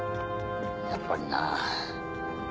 やっぱりな。